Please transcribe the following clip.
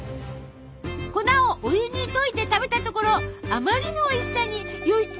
粉をお湯に溶いて食べたところあまりのおいしさに義経感激！